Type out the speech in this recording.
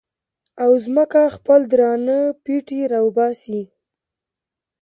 او ځمکه خپل درانه پېټي را وباسي